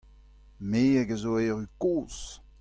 Me hag a zo erru kozh…